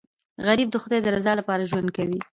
غریب د خدای د رضا لپاره ژوند کوي